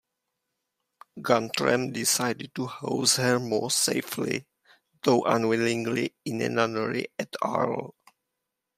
Guntram decided to house her more safely, though unwillingly, in a nunnery at Arles.